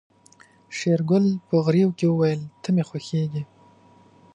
شېرګل په غريو کې وويل ته مې خوښيږې.